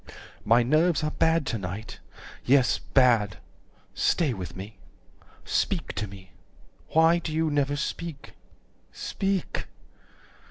110 "My nerves are bad to night. Yes, bad. Stay with me. Speak to me. Why do you never speak? Speak.